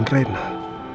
sekali lagi ya pak